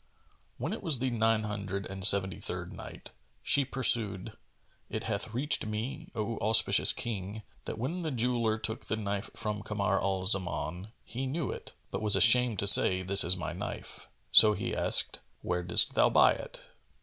When it was the Nine Hundred and Seventy third Night, She pursued, It hath reached me, O auspicious King, that when the jeweller took the knife from Kamar al Zaman, he knew it, but was ashamed to say, "This is my knife." So he asked, "Where didst thou buy it?"